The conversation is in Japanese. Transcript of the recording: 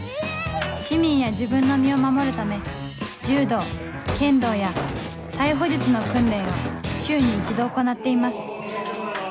市民や自分の身を守るため柔道剣道や逮捕術の訓練を週に１度行っています